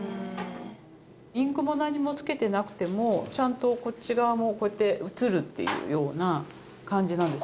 インクも何も付けてなくてもちゃんとこっち側もこうやって写るっていうような感じなんです。